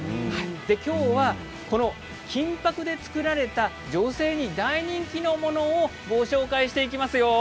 今日は金ぱくで作られた女性に大人気のものをご紹介していきますよ。